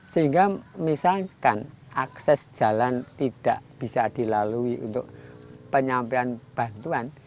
sehingga misalkan akses jalan tidak bisa dilalui untuk penyampaian bantuan